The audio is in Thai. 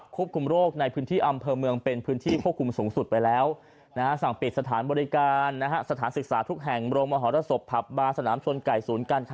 ก็เลยยังได้สามารถที่จะนำทำลายออกมาให้พวกเราได้รู้กัน